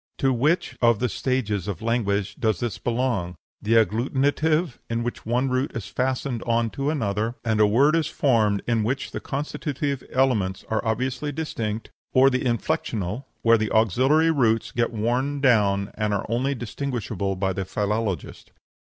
To which of the stages of language does this belong the agglutinative, in which one root is fastened on to another, and a word is formed in which the constitutive elements are obviously distinct, or the inflexional, where the auxiliary roots get worn down and are only distinguishable by the philologist?